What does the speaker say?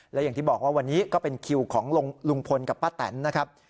และอย่างที่บอกว่าวันนี้ก็เป็นคิวของลุงพลกับป้าแตนนะครับ